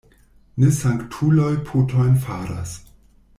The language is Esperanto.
Ne sanktuloj potojn faras.